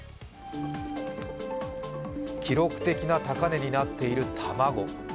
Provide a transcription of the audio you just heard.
記録的な高値になっている卵。